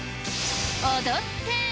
踊って。